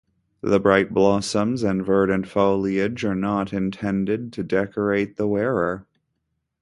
The bright blossoms and verdant foliage are not intended to decorate the wearer.